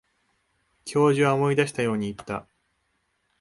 教授は思い出したように言った。